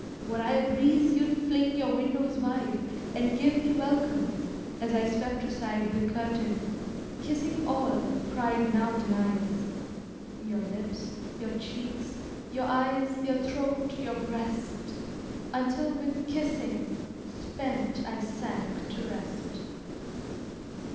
Were I a breeze you'd fling your windows wide, And give me welcome, as I swept aside The curtain, kissing all pride now denies, Your lips, your cheeks, your eyes, your throat, your breast, Until with kissing spent I sank to rest.